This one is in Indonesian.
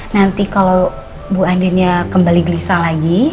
nanti kalau bu adenya kembali gelisah lagi